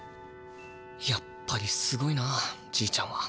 やっぱりすごいなじいちゃんは。